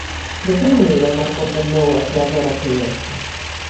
De que maneira o mar conformou a creadora que é hoxe?